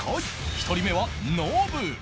１人目はノブ